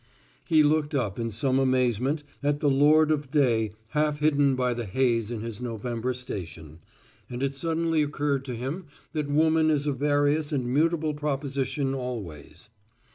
He looked up in some amazement at the lord of day half hidden by the haze in his November station, and it suddenly occurred to him that woman is a various and mutable proposition always.